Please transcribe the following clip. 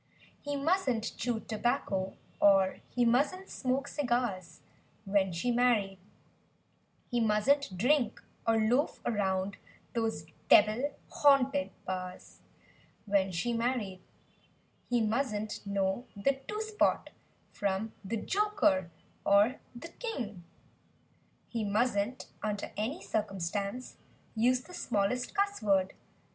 He musn't chew tobacco or he musn't smoke cigars— When she married; He musn't drink, or loaf around those "devil haunted" bars— When she married; He musn't know the "two spot" from the "joker" or the "king;" He musn't, under any circumstance Use the smallest cussword.